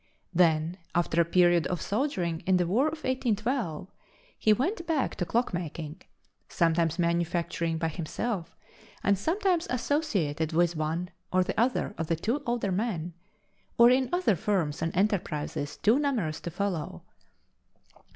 Then, after a period of soldiering in the War of 1812, he went back to clock making, sometimes manufacturing by himself and sometimes associated with one or the other of the two older men, or in other firms and enterprises too numerous to follow.